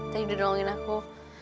tadi udah doangin aku